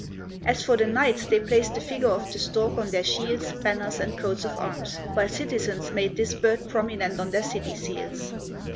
As for the knights, they placed the figure of the stork on their shields, banners, and coats of arms, while citizens made this bird prominent on their city seals.